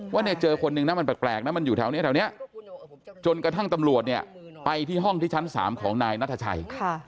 ว่าเจอคนหนึ่งมันแปลกมันอยู่แถวนี้จนกระทั่งตำรวจไปที่ชั้น๓ของนายนัทชัย